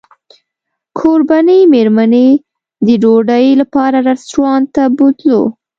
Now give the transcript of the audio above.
کوربنې مېرمنې د ډوډۍ لپاره رسټورانټ ته بوتلو.